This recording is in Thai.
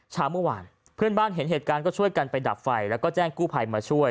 เช้าเมื่อวานเพื่อนบ้านเห็นเหตุการณ์ก็ช่วยกันไปดับไฟแล้วก็แจ้งกู้ภัยมาช่วย